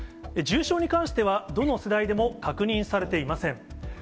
重症に関しては、どの世代でも確認されていません。